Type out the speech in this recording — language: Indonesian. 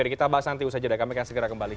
kita bahas nanti usaha jeda kami akan segera kembali